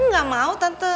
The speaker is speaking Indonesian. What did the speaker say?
gak mau tante